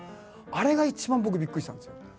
あれが一番僕びっくりしたんですよ。